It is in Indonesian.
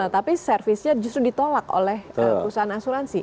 tapi servisnya justru ditolak oleh perusahaan asuransi